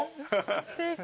すてき。